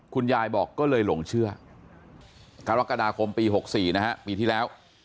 คุณยายบอกก็เลยหลงเชื่อกรกฎาคมปี๖๔นะฮะปีที่แล้ว